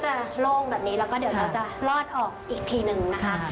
ด้านในนั้นก็จะโล่งแบบนี้แล้วก็เราก็จะรอดออกอีกทีนึงนะคะ